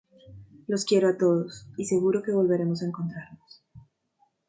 Los quiero a todos y seguro que volveremos a encontrarnos.